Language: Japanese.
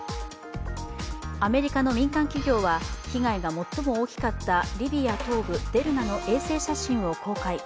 アメリカの民間企業は被害が最も大きかったリビア東部・デルナの衛星写真を公開。